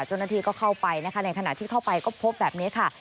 เจ้าหน้าที่ก็เข้าไปนะคะในขณะที่เข้าไปก็พบแบบนี้ค่ะ